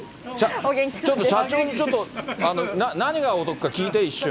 ちょっと社長にちょっと、何がお得か聞いて、一瞬。